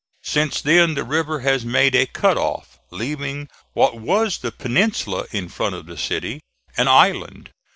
Since then the river has made a cut off, leaving what was the peninsula in front of the city, an island.